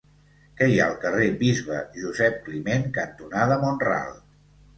Què hi ha al carrer Bisbe Josep Climent cantonada Mont-ral?